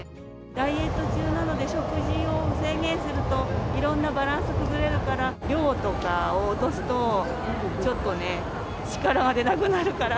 ダイエット中なので、食事を制限すると、いろんなバランス崩れるから、量とかを落とすと、ちょっとね、力が出なくなるから。